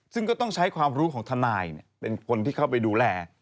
ซึ่งก็ต้องใช้ความรู้ของทนายเป็นคนที่เข้าไปดูแล